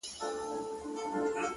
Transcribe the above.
زما د ميني جنډه پورته ښه ده ـ